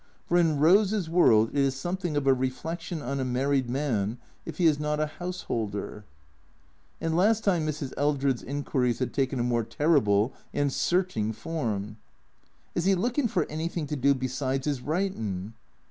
For in Rose's world it is somewhat of a reflection on a married man if he is not a householder. And last time Mrs. Eldred's inquiries had taken a more ter rible and searching form. " Is 'E lookin' for anything to do be sides 'Is writin'?"